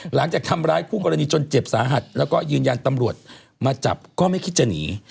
หลังจากทำร้ายคู่กรณีจนเจ็บสาหัสแล้วก็ยืนยันตำรวจมาจับก็ไม่คิดจะหนี